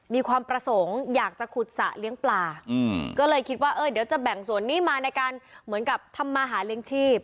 มีความประสงค์อยากจะขุดสระเลี้ยงปลาก็เลยคิดว่าเออเดี๋ยวจะแบ่งส่วนนี้มาในการเหมือนกับทำมาหาเลี้ยงชีพ